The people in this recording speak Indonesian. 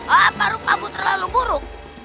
apa rupamu terlalu buruk